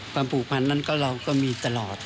ความผูกพันธ์นั้นเราก็มีตลอด